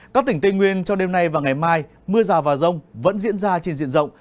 các tỉnh tây nguyên trong đêm nay và ngày mai mưa rào và rông vẫn diễn ra trên diện rộng